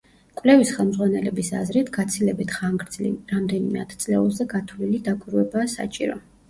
კვლევის ხელმძღვანელების აზრით, გაცილებით ხანგრძლივი, რამდენიმე ათწლეულზე გათვლილი დაკვირვებაა საჭირო.